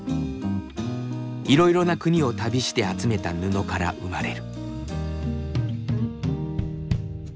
いろいろな国を旅して集めた布から生まれる。